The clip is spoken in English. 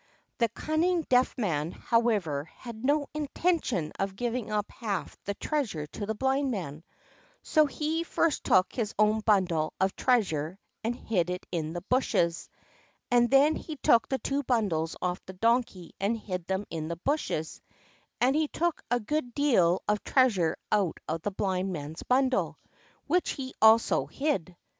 The cunning Deaf Man, however, had no intention of giving up half of the treasure to the Blind Man; so he first took his own bundle of treasure and hid it in the bushes, and then he took the two bundles off the Donkey and hid them in the bushes; and he took a good deal of treasure out of the Blind Man's bundle, which he also hid.